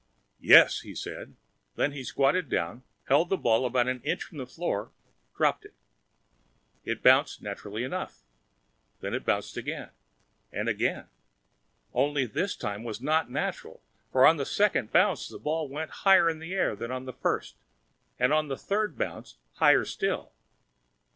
"Yes," he said. Then he squatted down, held the ball about a half inch from the floor, dropped it. It bounced, naturally enough. Then it bounced again. And again. Only this was not natural, for on the second bounce the ball went higher in the air than on the first, and on the third bounce higher still.